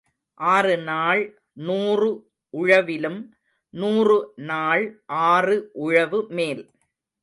ஆறு நாள் நூறு உழவிலும் நூறு நாள் ஆறு உழவு மேல்.